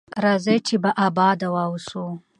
راځئ چې باادبه واوسو.